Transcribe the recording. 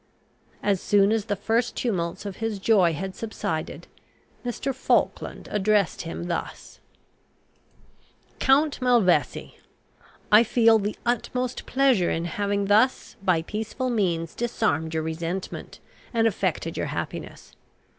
As soon as the first tumults of his joy had subsided, Mr. Falkland addressed him thus: "Count Malvesi, I feel the utmost pleasure in having thus by peaceful means disarmed your resentment, and effected your happiness.